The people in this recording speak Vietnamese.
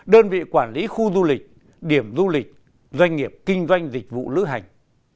đơn vị quản lý khu du lịch điểm du lịch doanh nghiệp kinh doanh dịch vụ lữ hành